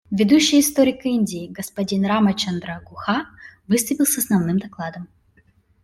Ведущий историк Индии, господин Рамачандра Гуха, выступил с основным докладом.